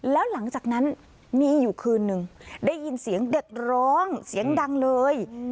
แล้วหลังจากนั้นมีอยู่คืนนึงได้ยินเสียงเด็กร้องเสียงดังเลย